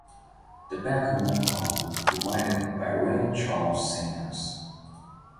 The back-up vocals were provided by the Ray Charles Singers.